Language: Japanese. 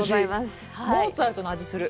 モーツァルトの味がする。